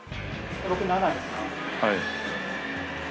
はい。